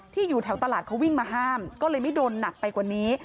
อยู่แถวตลาดเขาวิ่งมาห้ามก็เลยไม่โดนหนักไปกว่านี้